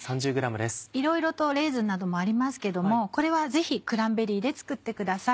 いろいろとレーズンなどもありますけどこれはぜひクランベリーで作ってください。